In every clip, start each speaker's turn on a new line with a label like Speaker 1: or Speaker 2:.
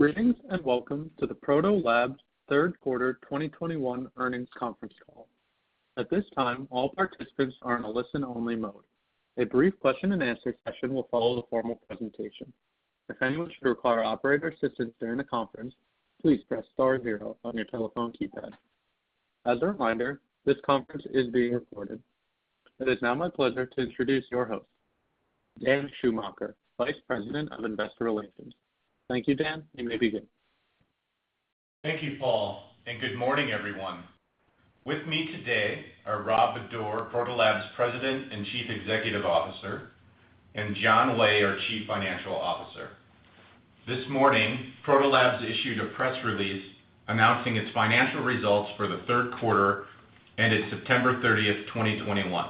Speaker 1: Greetings, and welcome to the Protolabs Third Quarter 2021 Earnings Conference Call. At this time, all participants are in a listen-only mode. A brief question-and-answer session will follow the formal presentation. If anyone should require operator assistance during the conference, please press star zero on your telephone keypad. As a reminder, this conference is being recorded. It is now my pleasure to introduce your host, Dan Schumacher, Vice President of Investor Relations. Thank you, Dan. You may begin.
Speaker 2: Thank you, Paul, and good morning, everyone. With me today are Rob Bodor, Protolabs President and Chief Executive Officer, and John Way, our Chief Financial Officer. This morning, Protolabs issued a press release announcing its financial results for the third quarter ended September 30, 2021.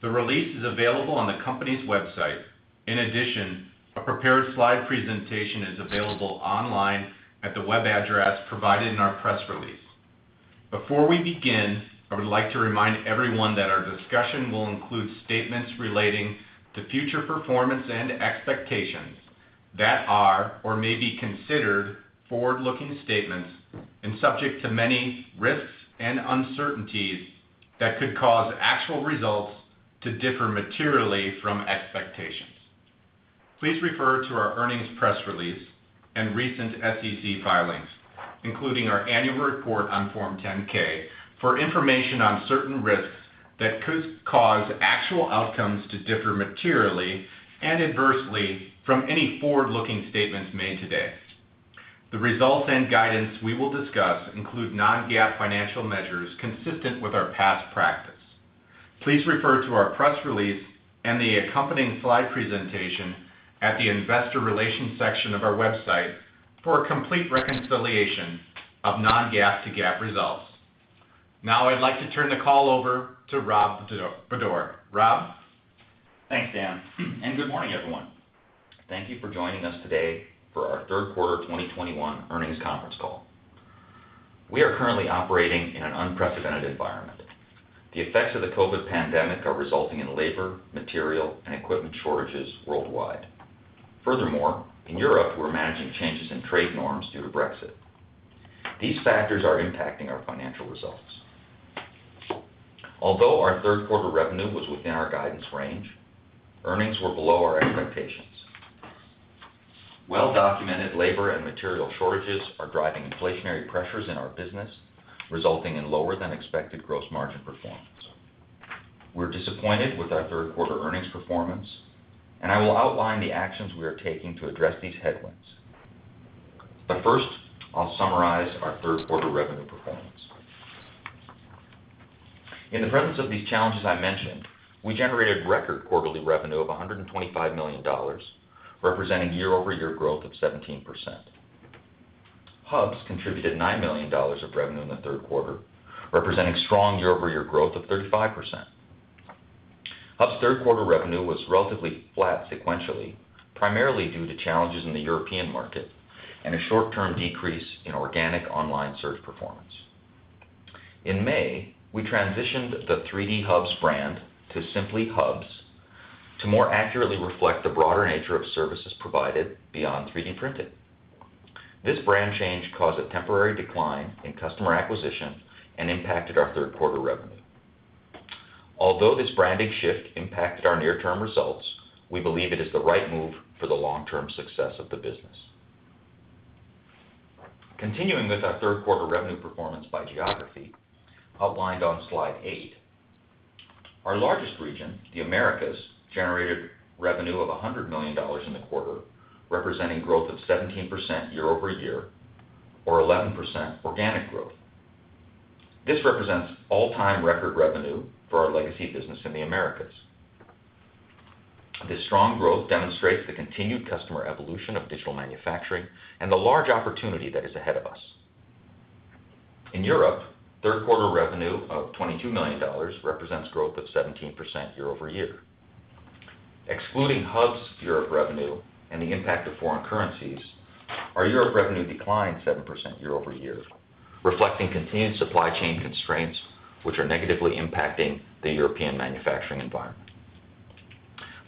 Speaker 2: The release is available on the company's website. In addition, a prepared slide presentation is available online at the web address provided in our press release. Before we begin, I would like to remind everyone that our discussion will include statements relating to future performance and expectations that are or may be considered forward-looking statements and subject to many risks and uncertainties that could cause actual results to differ materially from expectations. Please refer to our earnings press release and recent SEC filings, including our annual report on Form 10-K, for information on certain risks that could cause actual outcomes to differ materially and adversely from any forward-looking statements made today. The results and guidance we will discuss include non-GAAP financial measures consistent with our past practice. Please refer to our press release and the accompanying slide presentation at the investor relations section of our website for a complete reconciliation of non-GAAP to GAAP results. Now I'd like to turn the call over to Rob Bodor. Rob?
Speaker 3: Thanks, Dan, and good morning, everyone. Thank you for joining us today for our Third Quarter 2021 Earnings Conference Call. We are currently operating in an unprecedented environment. The effects of the COVID pandemic are resulting in labor, material, and equipment shortages worldwide. Furthermore, in Europe, we're managing changes in trade norms due to Brexit. These factors are impacting our financial results. Although our third quarter revenue was within our guidance range, earnings were below our expectations. Well-documented labor and material shortages are driving inflationary pressures in our business, resulting in lower than expected gross margin performance. We're disappointed with our third quarter earnings performance, and I will outline the actions we are taking to address these headwinds. First, I'll summarize our third quarter revenue performance. In the presence of these challenges I mentioned, we generated record quarterly revenue of $125 million, representing year-over-year growth of 17%. Hubs contributed $9 million of revenue in the third quarter, representing strong year-over-year growth of 35%. Hubs' third quarter revenue was relatively flat sequentially, primarily due to challenges in the European market and a short-term decrease in organic online search performance. In May, we transitioned the 3D Hubs brand to simply Hubs to more accurately reflect the broader nature of services provided beyond 3D printing. This brand change caused a temporary decline in customer acquisition and impacted our third quarter revenue. Although this branding shift impacted our near-term results, we believe it is the right move for the long-term success of the business. Continuing with our third quarter revenue performance by geography outlined on slide eight. Our largest region, the Americas, generated revenue of $100 million in the quarter, representing growth of 17% year-over-year or 11% organic growth. This represents all-time record revenue for our legacy business in the Americas. This strong growth demonstrates the continued customer evolution of digital manufacturing and the large opportunity that is ahead of us. In Europe, third quarter revenue of $22 million represents growth of 17% year-over-year. Excluding Hubs Europe revenue and the impact of foreign currencies, our Europe revenue declined 7% year-over-year, reflecting continued supply chain constraints which are negatively impacting the European manufacturing environment.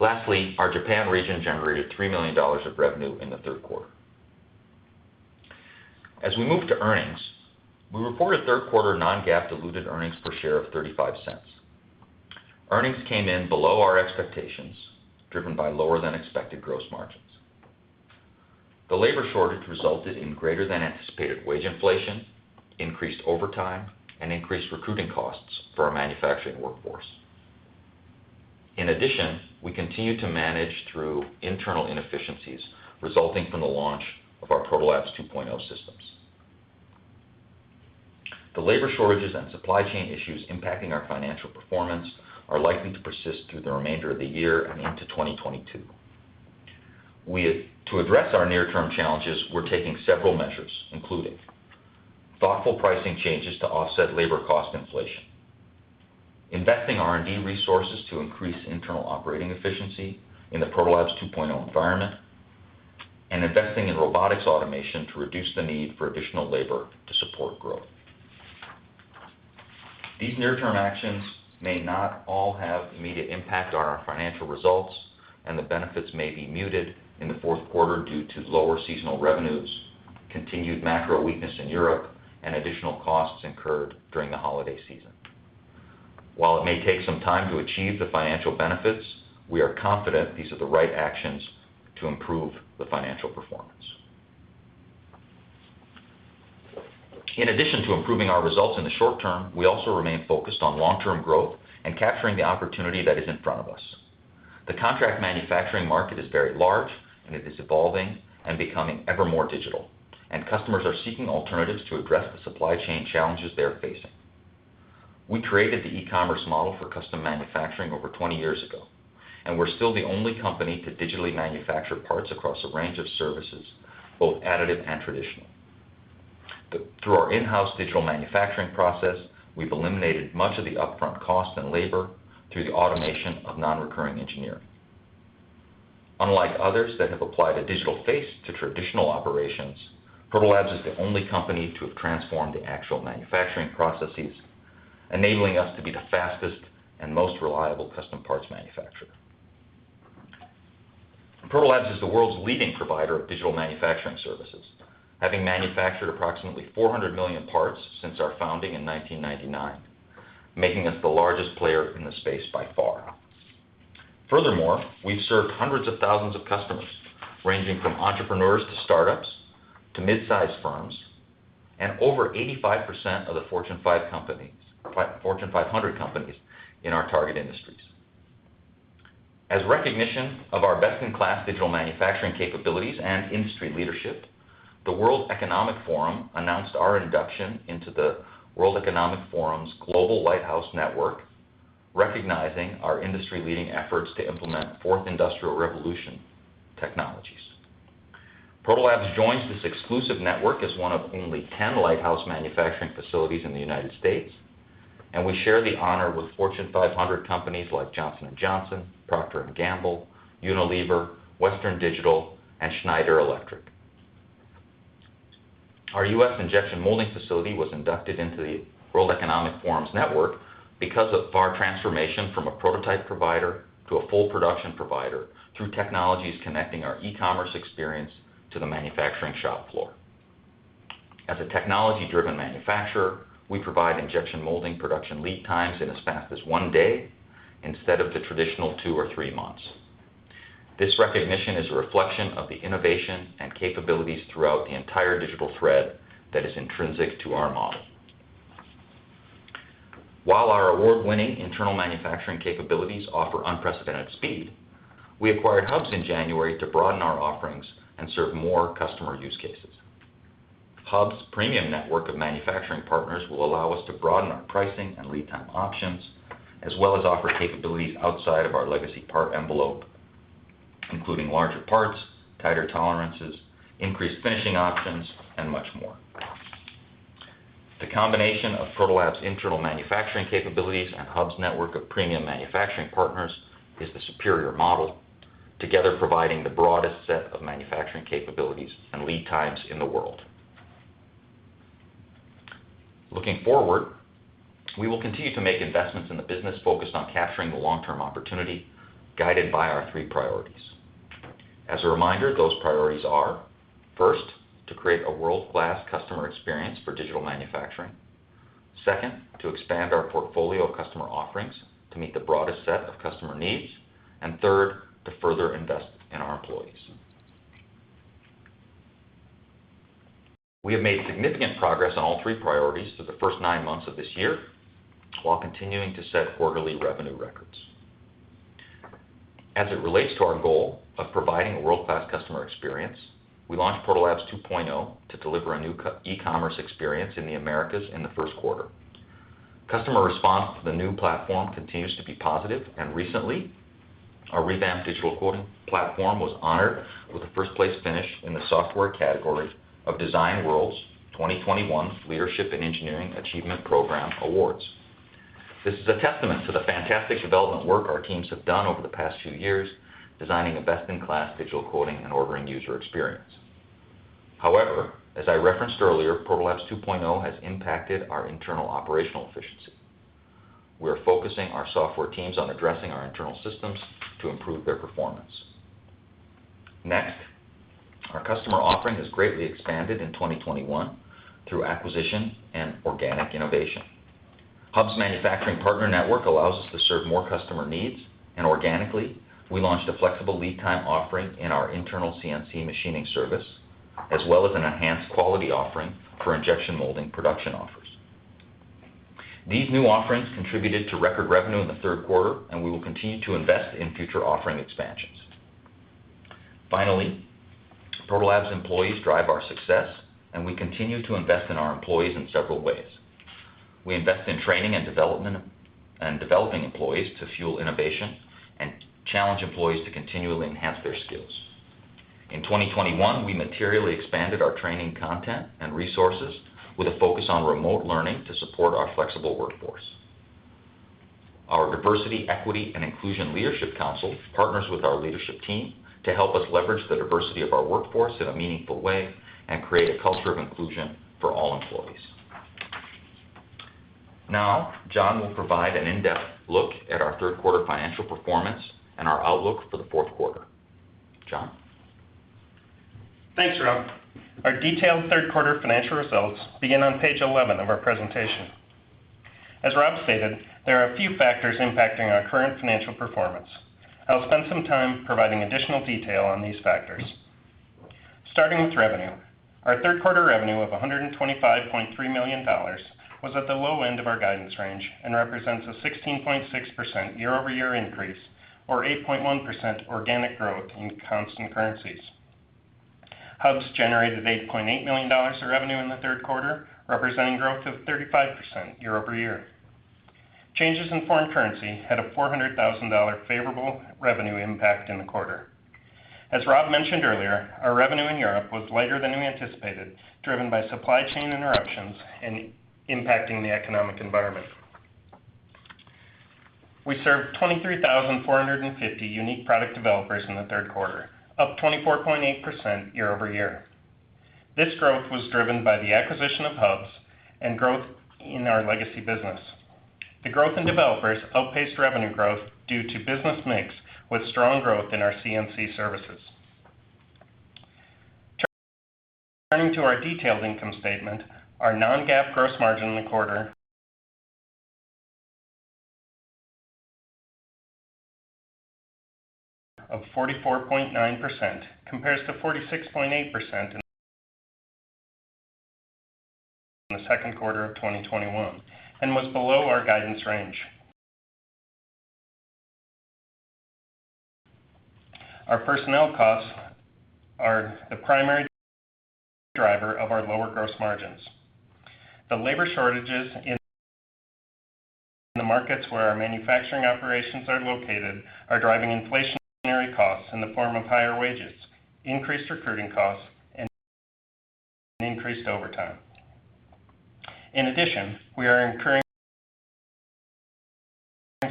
Speaker 3: Lastly, our Japan region generated $3 million of revenue in the third quarter. As we move to earnings, we reported third quarter non-GAAP diluted earnings per share of $0.35. Earnings came in below our expectations, driven by lower than expected gross margins. The labor shortage resulted in greater than anticipated wage inflation, increased overtime, and increased recruiting costs for our manufacturing workforce. In addition, we continue to manage through internal inefficiencies resulting from the launch of our Protolabs 2.0 systems. The labor shortages and supply chain issues impacting our financial performance are likely to persist through the remainder of the year and into 2022. To address our near-term challenges, we're taking several measures, including thoughtful pricing changes to offset labor cost inflation, investing R&D resources to increase internal operating efficiency in the Protolabs 2.0 environment, and investing in robotics automation to reduce the need for additional labor to support growth. These near-term actions may not all have immediate impact on our financial results, and the benefits may be muted in the fourth quarter due to lower seasonal revenues, continued macro weakness in Europe, and additional costs incurred during the holiday season. While it may take some time to achieve the financial benefits, we are confident these are the right actions to improve the financial performance. In addition to improving our results in the short term, we also remain focused on long-term growth and capturing the opportunity that is in front of us. The contract manufacturing market is very large, and it is evolving and becoming ever more digital, and customers are seeking alternatives to address the supply chain challenges they are facing. We created the e-commerce model for custom manufacturing over 20 years ago, and we're still the only company to digitally manufacture parts across a range of services, both additive and traditional. Through our in-house digital manufacturing process, we've eliminated much of the upfront cost and labor through the automation of non-recurring engineering. Unlike others that have applied a digital face to traditional operations, Proto Labs is the only company to have transformed the actual manufacturing processes, enabling us to be the fastest and most reliable custom parts manufacturer. Protolabs is the world's leading provider of digital manufacturing services, having manufactured approximately 400 million parts since our founding in 1999, making us the largest player in the space by far. Furthermore, we've served hundreds of thousands of customers, ranging from entrepreneurs to startups to mid-sized firms, and over 85% of the Fortune 500 companies in our target industries. As recognition of our best-in-class digital manufacturing capabilities and industry leadership, the World Economic Forum announced our induction into the World Economic Forum's Global Lighthouse Network, recognizing our industry-leading efforts to implement fourth industrial revolution technologies. Protolabs joins this exclusive network as one of only 10 Lighthouse manufacturing facilities in the United States, and we share the honor with Fortune 500 companies like Johnson & Johnson, Procter & Gamble, Unilever, Western Digital, and Schneider Electric. Our U.S. injection molding facility was inducted into the World Economic Forum's network because of our transformation from a prototype provider to a full production provider through technologies connecting our e-commerce experience to the manufacturing shop floor. As a technology-driven manufacturer, we provide Injection Molding production lead times in as fast as one day instead of the traditional two or three months. This recognition is a reflection of the innovation and capabilities throughout the entire digital thread that is intrinsic to our model. While our award-winning internal manufacturing capabilities offer unprecedented speed, we acquired Hubs in January to broaden our offerings and serve more customer use cases. Hubs' premium network of manufacturing partners will allow us to broaden our pricing and lead time options, as well as offer capabilities outside of our legacy part envelope, including larger parts, tighter tolerances, increased finishing options, and much more. The combination of Proto Labs' internal manufacturing capabilities and Hubs' network of premium manufacturing partners is the superior model, together providing the broadest set of manufacturing capabilities and lead times in the world. Looking forward, we will continue to make investments in the business focused on capturing the long-term opportunity guided by our three priorities. As a reminder, those priorities are, first, to create a world-class customer experience for digital manufacturing. Second, to expand our portfolio of customer offerings to meet the broadest set of customer needs. And third, to further invest in our employees. We have made significant progress on all three priorities for the first nine months of this year while continuing to set quarterly revenue records. As it relates to our goal of providing a world-class customer experience, we launched Protolabs 2.0 to deliver a new e-commerce experience in the Americas in the first quarter. Customer response to the new platform continues to be positive, and recently, our revamped digital quoting platform was honored with a first place finish in the software category of Design World's 2021 Leadership in Engineering Achievement Program Awards. This is a testament to the fantastic development work our teams have done over the past few years, designing a best-in-class digital quoting and ordering user experience. However, as I referenced earlier, Protolabs 2.0 has impacted our internal operational efficiency. We're focusing our software teams on addressing our internal systems to improve their performance. Next, our customer offering has greatly expanded in 2021 through acquisition and organic innovation. Hubs manufacturing partner network allows us to serve more customer needs, and organically, we launched a flexible lead time offering in our internal CNC Machining service, as well as an enhanced quality offering for Injection Molding production offers. These new offerings contributed to record revenue in the third quarter, and we will continue to invest in future offering expansions. Finally, Protolabs employees drive our success, and we continue to invest in our employees in several ways. We invest in training and development and developing employees to fuel innovation and challenge employees to continually enhance their skills. In 2021, we materially expanded our training content and resources with a focus on remote learning to support our flexible workforce. Our Diversity, Equity and Inclusion Leadership Council partners with our leadership team to help us leverage the diversity of our workforce in a meaningful way and create a culture of inclusion for all employees. Now, John will provide an in-depth look at our third quarter financial performance and our outlook for the fourth quarter. John?
Speaker 4: Thanks, Rob. Our detailed third quarter financial results begin on page 11 of our presentation. As Rob stated, there are a few factors impacting our current financial performance. I'll spend some time providing additional detail on these factors. Starting with revenue. Our third quarter revenue of $125.3 million was at the low end of our guidance range and represents a 16.6% year-over-year increase or 8.1% organic growth in constant currencies. Hubs generated $8.8 million of revenue in the third quarter, representing growth of 35% year-over-year. Changes in foreign currency had a $400,000 favorable revenue impact in the quarter. As Rob mentioned earlier, our revenue in Europe was lighter than we anticipated, driven by supply chain interruptions and impacting the economic environment. We served 23,450 unique product developers in the third quarter, up 24.8% year-over-year. This growth was driven by the acquisition of Hubs and growth in our legacy business. The growth in developers outpaced revenue growth due to business mix with strong growth in our CNC services. Turning to our detailed income statement, our non-GAAP gross margin in the quarter of 44.9% compares to 46.8% in the second quarter of 2021 and was below our guidance range. Our personnel costs are the primary driver of our lower gross margins. The labor shortages in the markets where our manufacturing operations are located are driving inflationary costs in the form of higher wages, increased recruiting costs, and increased overtime. In addition, we are incurring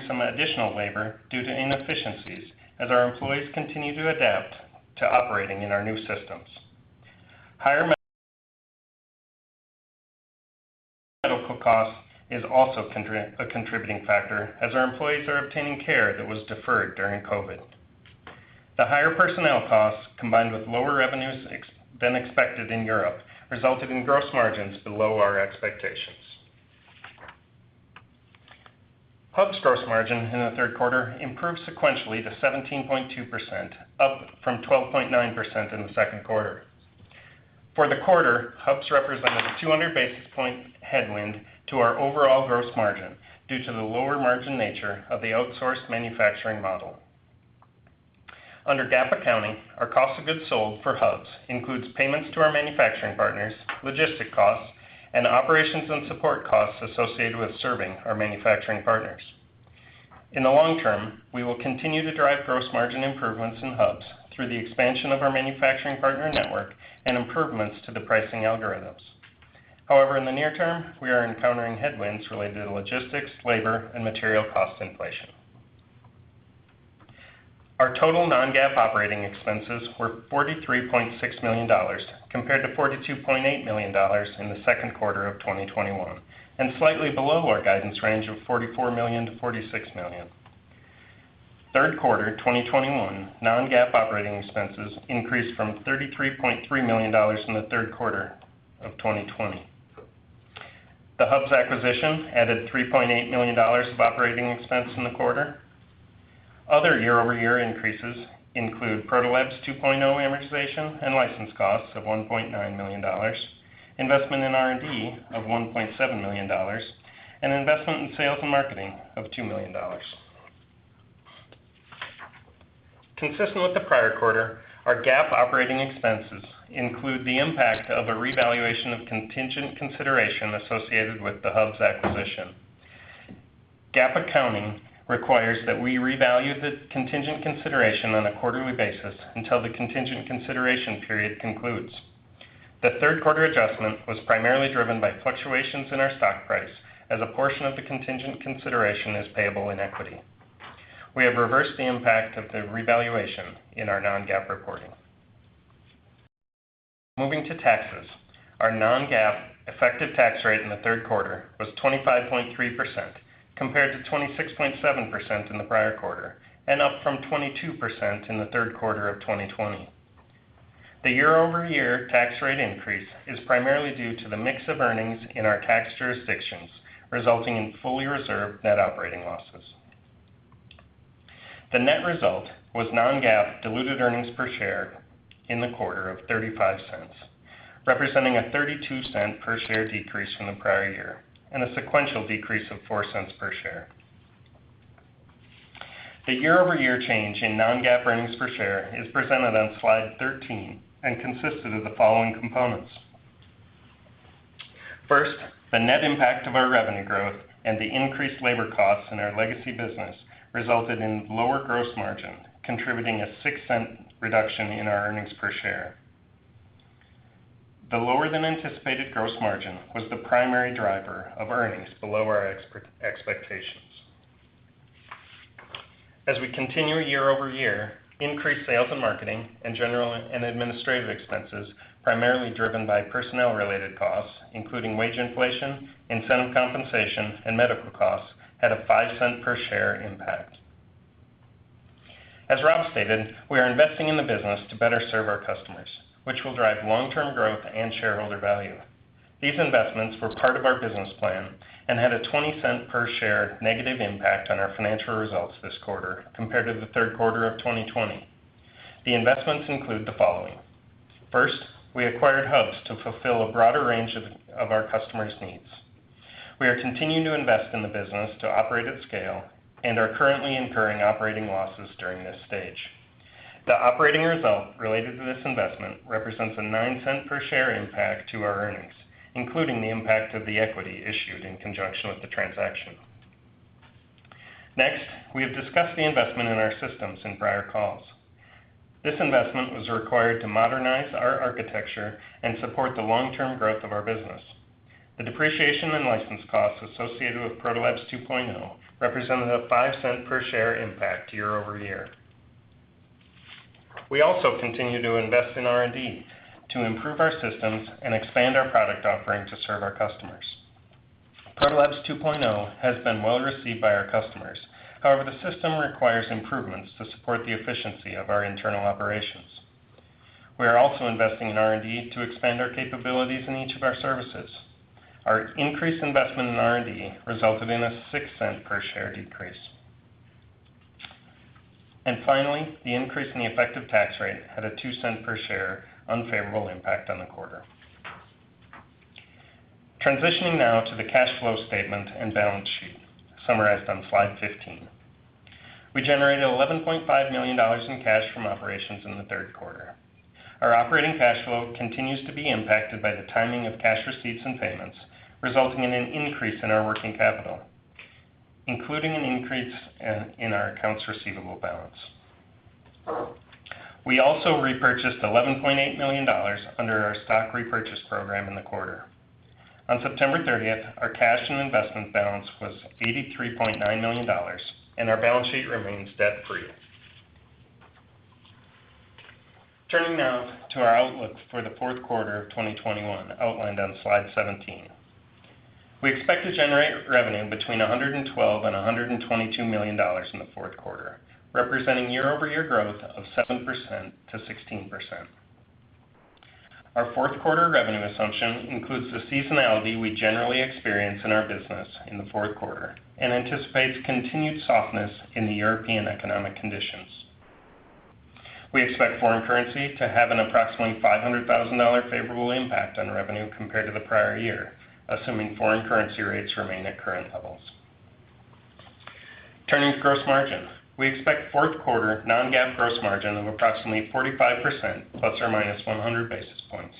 Speaker 4: some additional labor due to inefficiencies as our employees continue to adapt to operating in our new systems. Higher medical costs is also a contributing factor as our employees are obtaining care that was deferred during COVID. The higher personnel costs, combined with lower revenues than expected in Europe, resulted in gross margins below our expectations. Hubs' gross margin in the third quarter improved sequentially to 17.2%, up from 12.9% in the second quarter. For the quarter, Hubs represented a 200 basis point headwind to our overall gross margin due to the lower-margin nature of the outsourced manufacturing model. Under GAAP accounting, our cost of goods sold for Hubs includes payments to our manufacturing partners, logistic costs, and operations and support costs associated with serving our manufacturing partners. In the long term, we will continue to drive gross margin improvements in Hubs through the expansion of our manufacturing partner network and improvements to the pricing algorithms. However, in the near term, we are encountering headwinds related to logistics, labor, and material cost inflation. Our total non-GAAP operating expenses were $43.6 million compared to $42.8 million in the second quarter of 2021 and slightly below our guidance range of $44 million-$46 million. Third quarter 2021 non-GAAP operating expenses increased from $33.3 million in the third quarter of 2020. The Hubs acquisition added $3.8 million of operating expense in the quarter. Other year-over-year increases include Protolabs 2.0 amortization and license costs of $1.9 million, investment in R&D of $1.7 million, and investment in sales and marketing of $2 million. Consistent with the prior quarter, our GAAP operating expenses include the impact of a revaluation of contingent consideration associated with the Hubs acquisition. GAAP accounting requires that we revalue the contingent consideration on a quarterly basis until the contingent consideration period concludes. The third quarter adjustment was primarily driven by fluctuations in our stock price as a portion of the contingent consideration is payable in equity. We have reversed the impact of the revaluation in our non-GAAP reporting. Moving to taxes. Our non-GAAP effective tax rate in the third quarter was 25.3% compared to 26.7% in the prior quarter and up from 22% in the third quarter of 2020. The year-over-year tax rate increase is primarily due to the mix of earnings in our tax jurisdictions, resulting in fully reserved net operating losses. The net result was non-GAAP diluted earnings per share in the quarter of $0.35, representing a $0.32 per share decrease from the prior year and a sequential decrease of $0.04 per share. The year-over-year change in non-GAAP earnings per share is presented on slide 13 and consisted of the following components. First, the net impact of our revenue growth and the increased labor costs in our legacy business resulted in lower gross margin, contributing a $0.06 reduction in our earnings per share. The lower than anticipated gross margin was the primary driver of earnings below our expectations. As we continue year-over-year, increased sales and marketing and general and administrative expenses, primarily driven by personnel-related costs, including wage inflation, incentive compensation, and medical costs had a $0.05 per share impact. As Rob stated, we are investing in the business to better serve our customers, which will drive long-term growth and shareholder value. These investments were part of our business plan and had a $0.20 per share negative impact on our financial results this quarter compared to the third quarter of 2020. The investments include the following. First, we acquired Hubs to fulfill a broader range of our customers' needs. We are continuing to invest in the business to operate at scale and are currently incurring operating losses during this stage. The operating result related to this investment represents a $0.09 per share impact to our earnings, including the impact of the equity issued in conjunction with the transaction. Next, we have discussed the investment in our systems in prior calls. This investment was required to modernize our architecture and support the long-term growth of our business. The depreciation and license costs associated with Protolabs 2.0 represented a $0.05 per share impact year-over-year. We also continue to invest in R&D to improve our systems and expand our product offering to serve our customers. Protolabs 2.0 has been well-received by our customers. However, the system requires improvements to support the efficiency of our internal operations. We are also investing in R&D to expand our capabilities in each of our services. Our increased investment in R&D resulted in a $0.06 per share decrease. Finally, the increase in the effective tax rate had a $0.02 per share unfavorable impact on the quarter. Transitioning now to the cash flow statement and balance sheet summarized on slide 15. We generated $11.5 million in cash from operations in the third quarter. Our operating cash flow continues to be impacted by the timing of cash receipts and payments, resulting in an increase in our working capital, including an increase in our accounts receivable balance. We also repurchased $11.8 million under our stock repurchase program in the quarter. On September 30, our cash and investment balance was $83.9 million, and our balance sheet remains debt-free. Turning now to our outlook for the fourth quarter of 2021 outlined on slide 17. We expect to generate revenue between $112 million and $122 million in the fourth quarter, representing year-over-year growth of 7%-16%. Our fourth quarter revenue assumption includes the seasonality we generally experience in our business in the fourth quarter and anticipates continued softness in the European economic conditions. We expect foreign currency to have an approximately $500,000 favorable impact on revenue compared to the prior year, assuming foreign currency rates remain at current levels. Turning to gross margin. We expect fourth quarter non-GAAP gross margin of approximately 45% ±100 basis points.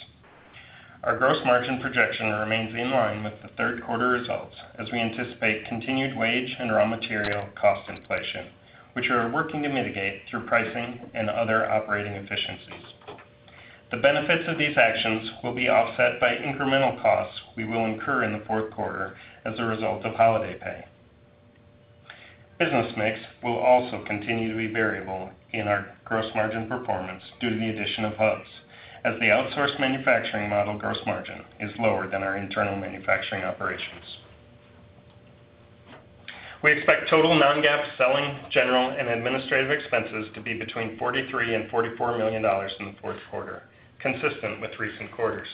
Speaker 4: Our gross margin projection remains in line with the third quarter results as we anticipate continued wage and raw material cost inflation, which we are working to mitigate through pricing and other operating efficiencies. The benefits of these actions will be offset by incremental costs we will incur in the fourth quarter as a result of holiday pay. Business mix will also continue to be variable in our gross margin performance due to the addition of Hubs as the outsourced manufacturing model gross margin is lower than our internal manufacturing operations. We expect total non-GAAP selling general and administrative expenses to be between $43 million and $44 million in the fourth quarter, consistent with recent quarters.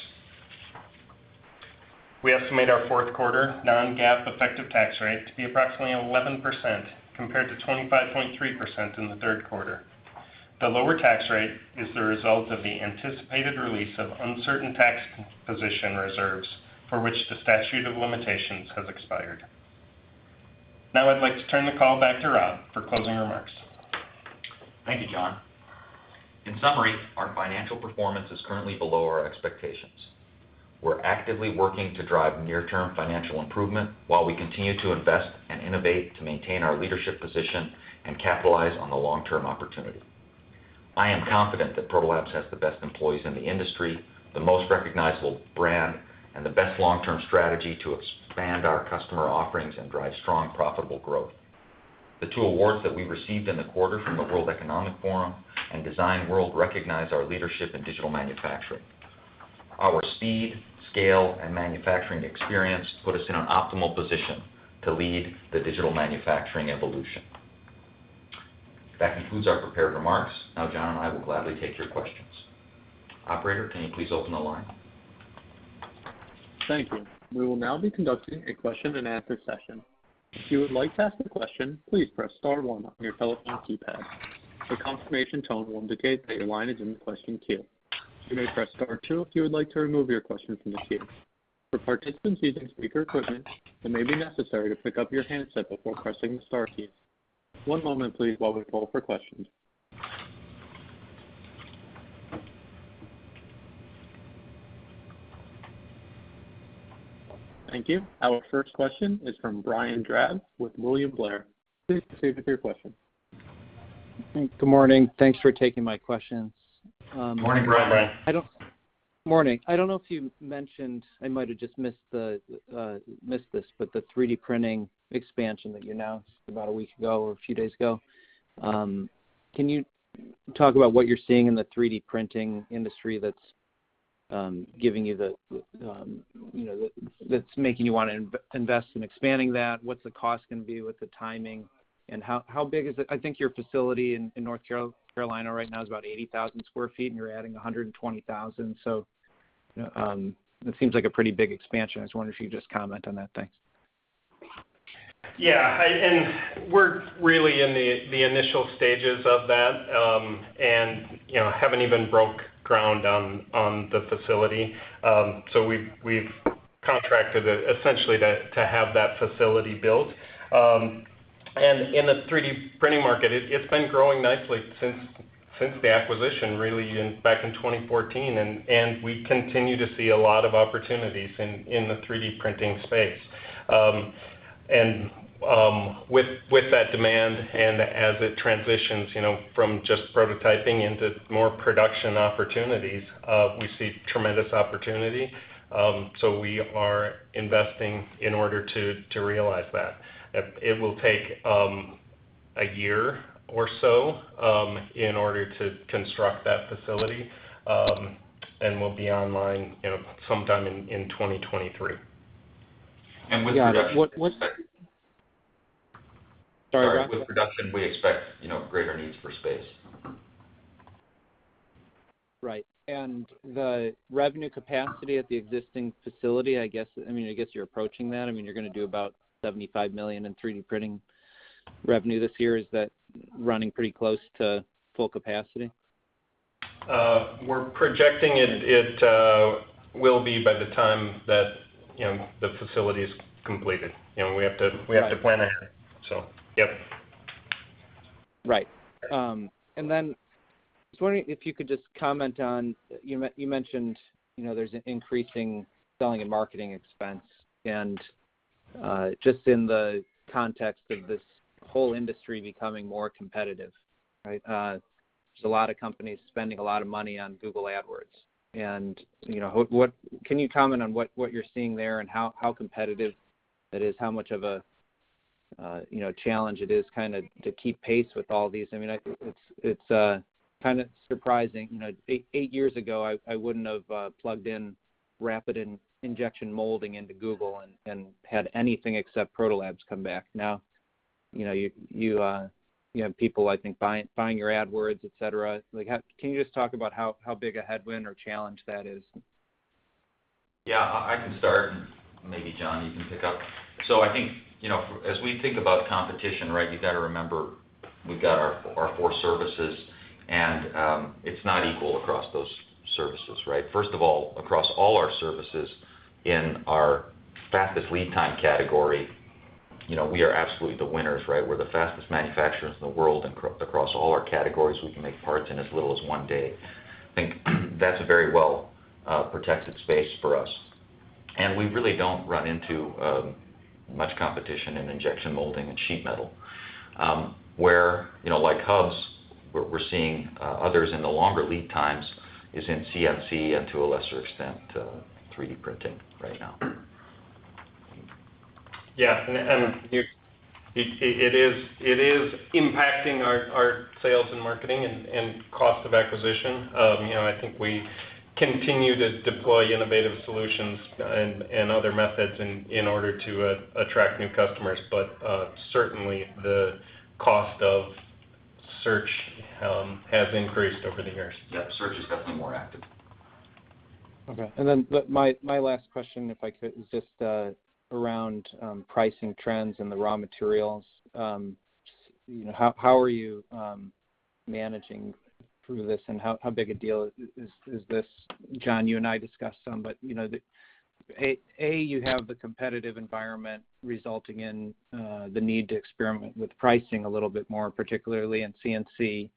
Speaker 4: We estimate our fourth quarter non-GAAP effective tax rate to be approximately 11% compared to 25.3% in the third quarter. The lower tax rate is the result of the anticipated release of uncertain tax position reserves for which the statute of limitations has expired. Now, I'd like to turn the call back to Rob for closing remarks.
Speaker 3: Thank you, John. In summary, our financial performance is currently below our expectations. We're actively working to drive near-term financial improvement while we continue to invest and innovate to maintain our leadership position and capitalize on the long-term opportunity. I am confident that Protolabs has the best employees in the industry, the most recognizable brand, and the best long-term strategy to expand our customer offerings and drive strong, profitable growth. The two awards that we received in the quarter from the World Economic Forum and Design World recognize our leadership in digital manufacturing. Our speed, scale, and manufacturing experience put us in an optimal position to lead the digital manufacturing evolution. That concludes our prepared remarks. Now John and I will gladly take your questions. Operator, can you please open the line?
Speaker 1: Thank you. Our first question is from Brian Drab with William Blair. Please proceed with your question.
Speaker 5: Good morning. Thanks for taking my questions.
Speaker 3: Morning, Brian.
Speaker 5: Good morning. I don't know if you mentioned. I might have just missed this, but the 3D printing expansion that you announced about a week ago or a few days ago. Can you talk about what you're seeing in the 3D printing industry that's giving you know, that's making you wanna invest in expanding that? What's the cost gonna be? What's the timing? And how big is it? I think your facility in North Carolina right now is about 80,000 sq ft, and you're adding 120,000. You know, it seems like a pretty big expansion. I just wondered if you could just comment on that. Thanks.
Speaker 4: Yeah. We're really in the initial stages of that, you know, haven't even broke ground on the facility. We've contracted it essentially to have that facility built. In the 3D printing market, it's been growing nicely since the acquisition really back in 2014, and we continue to see a lot of opportunities in the 3D printing space. With that demand and as it transitions, you know, from just prototyping into more production opportunities, we see tremendous opportunity. We are investing in order to realize that. It will take a year or so in order to construct that facility, and we'll be online, you know, sometime in 2023.
Speaker 3: With the production we expect
Speaker 5: Got it. Sorry, go ahead.
Speaker 3: Sorry. With production, we expect, you know, greater needs for space.
Speaker 5: Right. The revenue capacity at the existing facility, I guess. I mean, I guess you're approaching that. I mean, you're gonna do about $75 million in 3D printing revenue this year. Is that running pretty close to full capacity?
Speaker 4: We're projecting it will be by the time that, you know, the facility's completed. You know, we have to.
Speaker 5: Right.
Speaker 4: We have to plan ahead. Yep.
Speaker 5: Right. I was wondering if you could just comment on, you mentioned, you know, there's an increasing selling and marketing expense, and, just in the context of this whole industry becoming more competitive, right? There's a lot of companies spending a lot of money on Google Ads, and, you know, Can you comment on what you're seeing there and how competitive it is? How much of a, you know, challenge it is kinda to keep pace with all these? I mean, I think it's kinda surprising. You know, eight years ago, I wouldn't have plugged in rapid injection molding into Google and had anything except Protolabs come back. Now, you know, you have people I think buying your AdWords, et cetera. Like, how Can you just talk about how big a headwind or challenge that is?
Speaker 3: Yeah. I can start, and maybe John you can pick up. I think, you know, as we think about competition, right, you've got to remember we've got our four services, and it's not equal across those services, right? First of all, across all our services in our fastest lead time category, you know, we are absolutely the winners, right? We're the fastest manufacturers in the world, and across all our categories, we can make parts in as little as one day. I think that's a very well protected space for us. We really don't run into much competition in Injection Molding and Sheet Metal. Where, you know, like Hubs, where we're seeing others in the longer lead times is in CNC and to a lesser extent, 3D printing right now.
Speaker 4: Yeah. It is impacting our sales and marketing and cost of acquisition. You know, I think we continue to deploy innovative solutions and other methods in order to attract new customers. Certainly the cost of search has increased over the years.
Speaker 3: Yeah. Search is definitely more active.
Speaker 5: Okay. My last question, if I could, is just around pricing trends and the raw materials. You know, how are you managing through this, and how big a deal is this? John, you and I discussed some, you know, the A, you have the competitive environment resulting in the need to experiment with pricing a little bit more, particularly in CNC.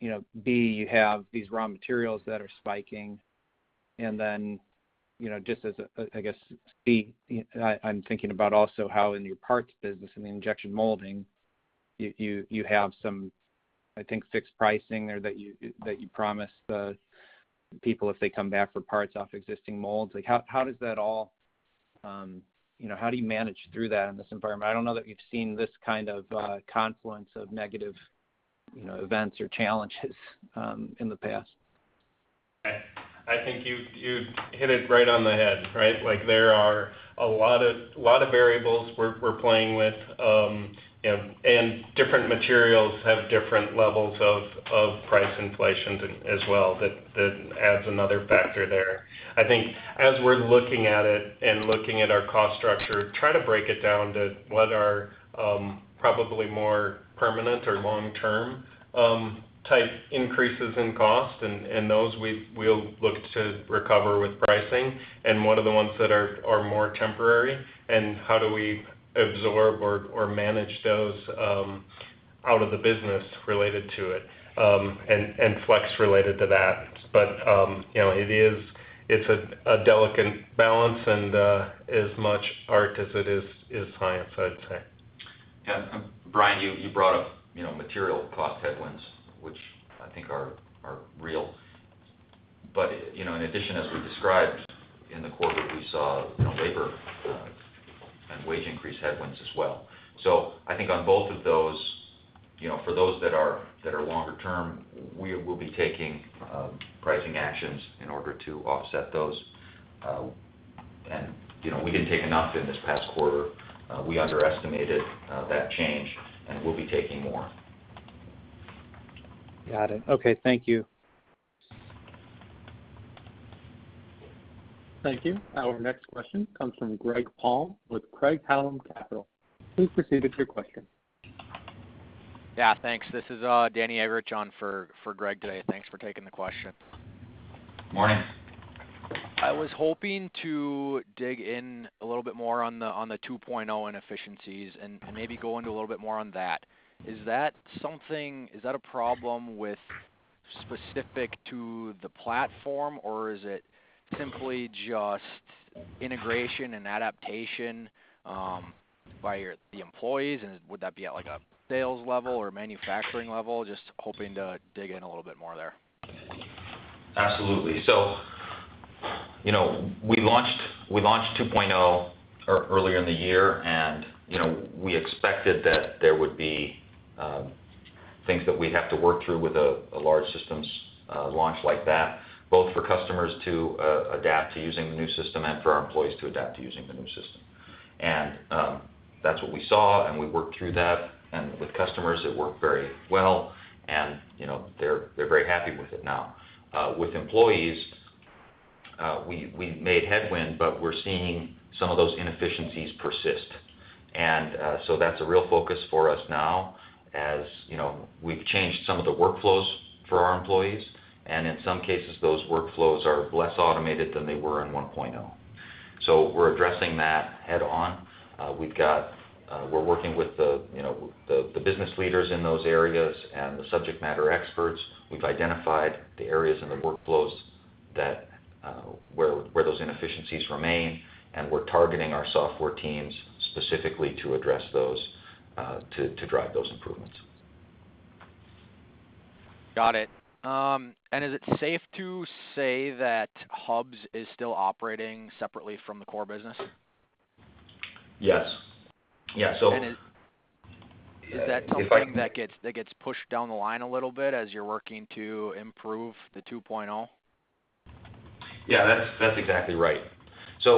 Speaker 5: You know, B, you have these raw materials that are spiking. You know, just as a, I guess, C, I'm thinking about also how in your parts business and the Injection Molding, you have some, I think, fixed pricing there that you promise the people if they come back for parts off existing molds. Like, how does that all? You know, how do you manage through that in this environment? I don't know that you've seen this kind of confluence of negative, you know, events or challenges, in the past.
Speaker 4: I think you hit it right on the head, right? Like, there are a lot of variables we're playing with. You know, and different materials have different levels of price inflation as well that adds another factor there. I think as we're looking at it and looking at our cost structure, try to break it down to what are probably more permanent or long-term type increases in cost, and those we'll look to recover with pricing and what are the ones that are more temporary and how do we absorb or manage those out of the business related to it, and flex related to that. You know, it is, it's a delicate balance and as much art as it is science, I'd say.
Speaker 3: Yeah. Brian, you brought up, you know, material cost headwinds, which I think are real. You know, in addition, as we described in the quarter, we saw, you know, labor and wage increase headwinds as well. I think on both of those, you know, for those that are longer term, we will be taking pricing actions in order to offset those. You know, we didn't take enough in this past quarter. We underestimated that change, and we'll be taking more.
Speaker 1: Got it. Okay. Thank you. Thank you. Our next question comes from Greg Palm with Craig-Hallum Capital. Please proceed with your question.
Speaker 6: Yeah, thanks. This is Danny Eggerichs, John Way, for Greg Palm today. Thanks for taking the question.
Speaker 3: Morning.
Speaker 6: I was hoping to dig in a little bit more on the 2.0 inefficiencies and maybe go into a little bit more on that. Is that something? Is that a problem specific to the platform, or is it simply just integration and adaptation by the employees, and would that be at, like, a sales level or manufacturing level? Just hoping to dig in a little bit more there.
Speaker 3: Absolutely. You know, we launched 2.0 earlier in the year, and you know, we expected that there would be things that we'd have to work through with a large system launch like that, both for customers to adapt to using the new system and for our employees to adapt to using the new system. That's what we saw, and we worked through that. With customers, it worked very well and you know, they're very happy with it now. With employees, we made headway, but we're seeing some of those inefficiencies persist. That's a real focus for us now as you know, we've changed some of the workflows for our employees, and in some cases, those workflows are less automated than they were in 1.0. We're addressing that head on. We're working with you know the business leaders in those areas and the subject matter experts. We've identified the areas in the workflows that where those inefficiencies remain, and we're targeting our software teams specifically to address those to drive those improvements.
Speaker 6: Got it. Is it safe to say that Hubs is still operating separately from the core business?
Speaker 3: Yes. Yeah.
Speaker 6: Is
Speaker 3: If I-
Speaker 6: Is that something that gets pushed down the line a little bit as you're working to improve the 2.0?
Speaker 3: Yeah, that's exactly right. You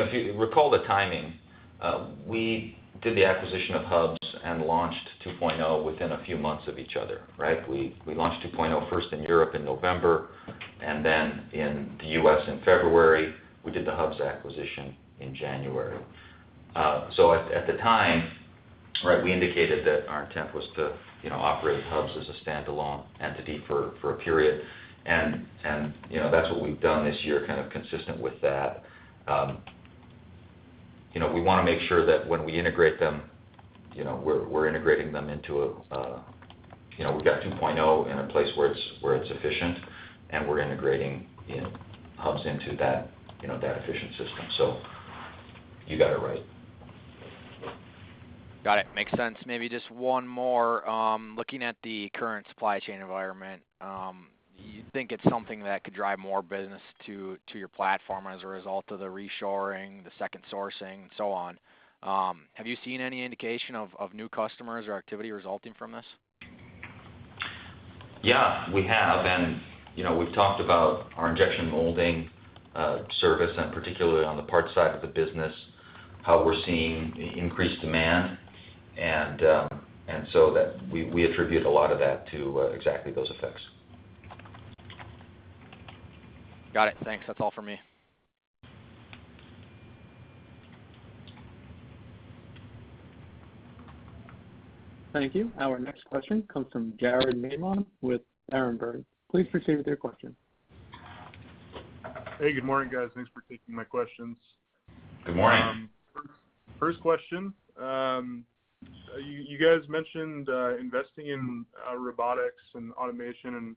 Speaker 3: know, if you recall the timing, we did the acquisition of Hubs and launched 2.0 within a few months of each other, right? We launched 2.0 first in Europe in November and then in the U.S. in February. We did the Hubs acquisition in January. At the time, right, we indicated that our intent was to, you know, operate Hubs as a standalone entity for a period. You know, that's what we've done this year, kind of consistent with that. You know, we wanna make sure that when we integrate them, you know, we're integrating them into a. You know, we've got 2.0 in a place where it's efficient, and we're integrating Hubs into that, you know, that efficient system. You got it right.
Speaker 6: Got it. Makes sense. Maybe just one more. Looking at the current supply chain environment, do you think it's something that could drive more business to your platform as a result of the reshoring, the second sourcing, and so on? Have you seen any indication of new customers or activity resulting from this?
Speaker 3: Yeah, we have. You know, we've talked about our Injection Molding service and particularly on the parts side of the business, how we're seeing increased demand. We attribute a lot of that to exactly those effects.
Speaker 6: Got it. Thanks. That's all for me.
Speaker 1: Thank you. Our next question comes from Gal Munda with Berenberg. Please proceed with your question.
Speaker 7: Hey, good morning, guys. Thanks for taking my questions.
Speaker 3: Good morning.
Speaker 7: First question. You guys mentioned investing in robotics and automation, and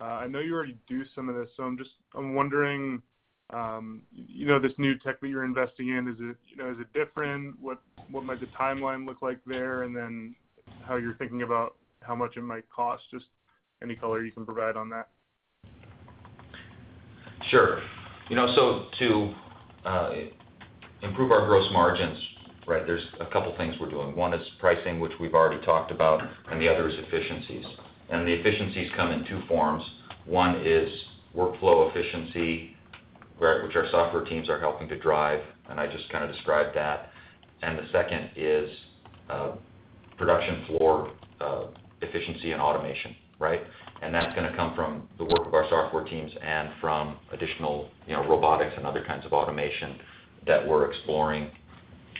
Speaker 7: I know you already do some of this, so I'm wondering, you know, this new tech that you're investing in, is it, you know, is it different? What might the timeline look like there? And then how you're thinking about how much it might cost? Just any color you can provide on that.
Speaker 3: Sure. You know, to improve our gross margins, right, there's a couple of things we're doing. One is pricing, which we've already talked about, and the other is efficiencies. The efficiencies come in two forms. One is workflow efficiency, right, which our software teams are helping to drive, and I just kind of described that. The second is production floor efficiency and automation, right? That's gonna come from the work of our software teams and from additional, you know, robotics and other kinds of automation that we're exploring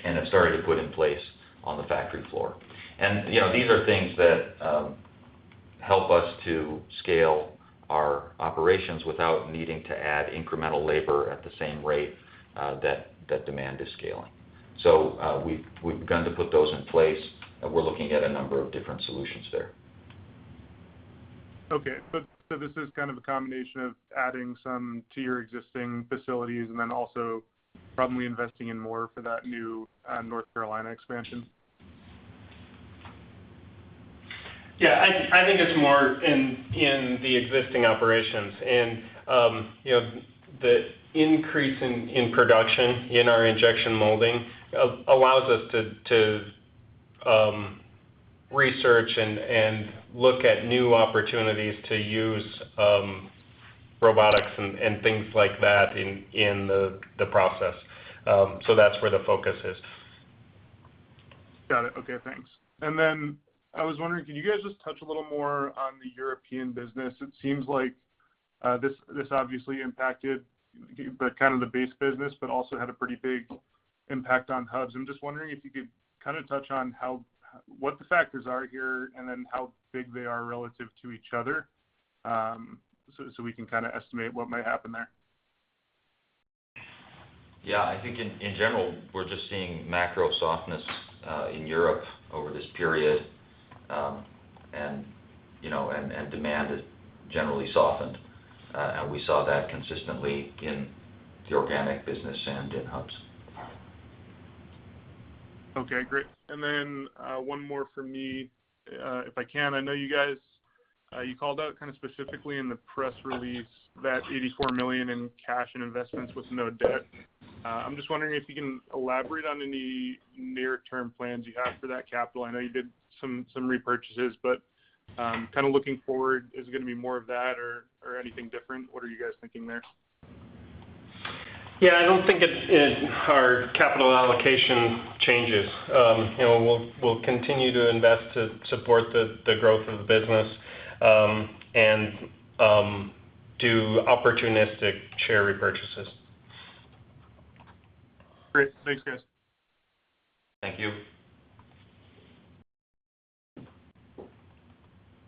Speaker 3: and have started to put in place on the factory floor. You know, these are things that help us to scale our operations without needing to add incremental labor at the same rate that demand is scaling. We've begun to put those in place, and we're looking at a number of different solutions there.
Speaker 7: Okay. This is kind of a combination of adding some to your existing facilities and then also probably investing in more for that new North Carolina expansion?
Speaker 4: Yeah. I think it's more in the existing operations. You know, the increase in production in our Injection Molding allows us to research and look at new opportunities to use robotics and things like that in the process. That's where the focus is.
Speaker 7: Got it. Okay, thanks. I was wondering, can you guys just touch a little more on the European business? It seems like this obviously impacted the kind of the base business but also had a pretty big impact on Hubs. I'm just wondering if you could kinda touch on how what the factors are here and then how big they are relative to each other, so we can kinda estimate what might happen there.
Speaker 3: Yeah. I think in general, we're just seeing macro softness in Europe over this period. You know, demand has generally softened. We saw that consistently in the organic business and in Hubs.
Speaker 7: Okay, great. Then, one more from me, if I can. I know you guys, you called out kind of specifically in the press release that $84 million in cash and investments with no debt. I'm just wondering if you can elaborate on any near-term plans you have for that capital. I know you did some repurchases, but, kind of looking forward, is it gonna be more of that or anything different? What are you guys thinking there?
Speaker 4: Yeah. I don't think it's in our capital allocation changes. You know, we'll continue to invest to support the growth of the business, and do opportunistic share repurchases.
Speaker 7: Great. Thanks, guys.
Speaker 3: Thank you.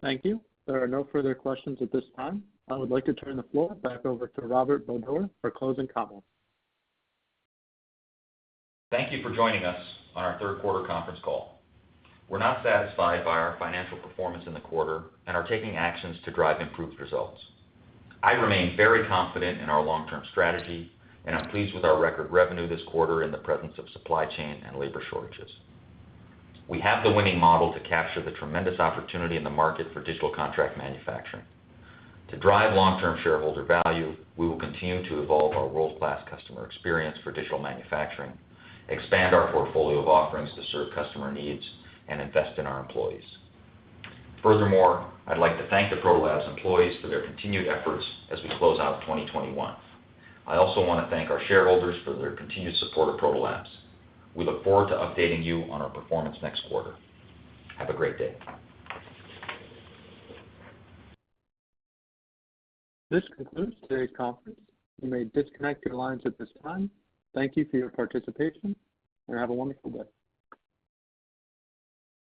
Speaker 1: Thank you. There are no further questions at this time. I would like to turn the floor back over to Rob Bodor for closing comments.
Speaker 3: Thank you for joining us on our third quarter conference call. We're not satisfied by our financial performance in the quarter and are taking actions to drive improved results. I remain very confident in our long-term strategy, and I'm pleased with our record revenue this quarter in the presence of supply chain and labor shortages. We have the winning model to capture the tremendous opportunity in the market for digital contract manufacturing. To drive long-term shareholder value, we will continue to evolve our world-class customer experience for digital manufacturing, expand our portfolio of offerings to serve customer needs, and invest in our employees. Furthermore, I'd like to thank the Protolabs employees for their continued efforts as we close out 2021. I also wanna thank our shareholders for their continued support of Protolabs. We look forward to updating you on our performance next quarter. Have a great day.
Speaker 1: This concludes today's conference. You may disconnect your lines at this time. Thank you for your participation, and have a wonderful day.